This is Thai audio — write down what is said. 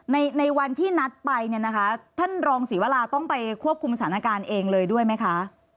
ในในวันที่นัดไปเนี่ยนะคะท่านรองศรีวราต้องไปควบคุมสถานการณ์เองเลยด้วยไหมคะ